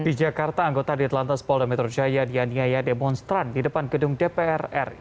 di jakarta anggota di atlantis paul d'ametro jaya dian yaya demonstran di depan gedung dprr